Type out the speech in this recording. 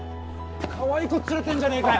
かわいい子連れてんじゃねえかよ。